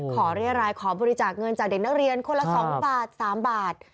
เรียรายขอบริจาคเงินจากเด็กนักเรียนคนละ๒บาท๓บาท